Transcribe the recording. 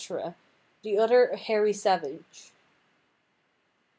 the other a hairy savage.